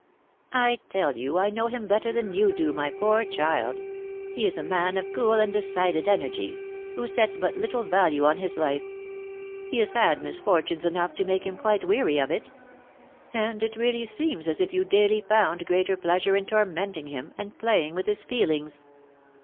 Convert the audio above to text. "I tell you I know him better than you do, my poor child; he is a man of cool and decided energy, who sets but little value on his life; he has had misfortunes enough to make him quite weary of it; and it really seems as if you daily found greater pleasure in tormenting him, and playing with his feelings."